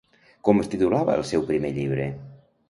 Com es titulava el seu primer llibre?